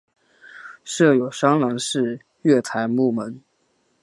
设有栅栏式月台幕门。